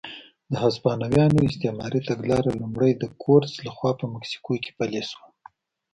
د هسپانویانو استعماري تګلاره لومړی د کورټز لخوا په مکسیکو کې پلې شوه.